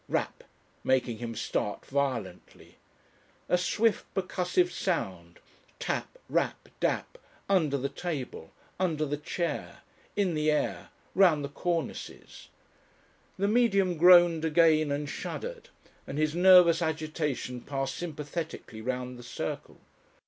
Rap! making him start violently. A swift percussive sound, tap, rap, dap, under the table, under the chair, in the air, round the cornices. The Medium groaned again and shuddered, and his nervous agitation passed sympathetically round the circle.